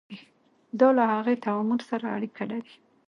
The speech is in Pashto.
دا له هغې تعامل سره اړیکه لري.